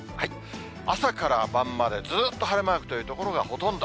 朝から晩までずっと晴れマークという所がほとんど。